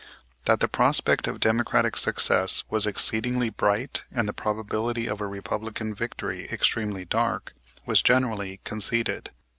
That the prospect of Democratic success was exceedingly bright and the probability of a Republican victory extremely dark, was generally conceded.